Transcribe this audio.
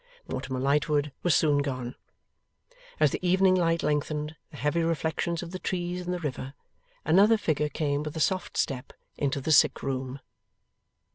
Mortimer Lightwood was soon gone. As the evening light lengthened the heavy reflections of the trees in the river, another figure came with a soft step into the sick room.